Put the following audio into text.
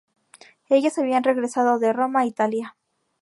Ellas habían regresado de Roma, Italia.